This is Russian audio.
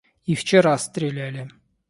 — И вчера стреляли.